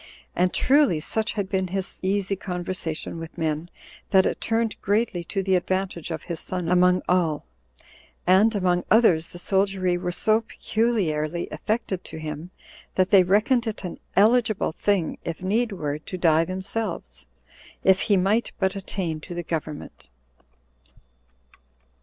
And truly such had been his easy conversation with men, that it turned greatly to the advantage of his son among all; and, among others, the soldiery were so peculiarly affected to him, that they reckoned it an eligible thing, if need were, to die themselves, if he might but attain to the government.